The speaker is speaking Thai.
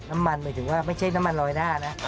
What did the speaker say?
น้ำมันหมายถึงว่าไม่ใช่น้ำมันรอยหน้านะ